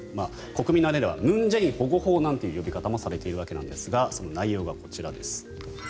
国民の間では文在寅保護法なんていう呼び方もされているわけですがその内容がこちらです。